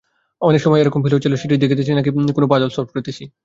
অনেক সময় এরকম ফিল হচ্ছিলো সিরিজ দেখতেছি নাকি কোনো পাজল সলভ করতেছি।